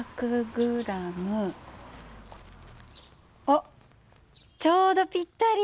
あっちょうどぴったり。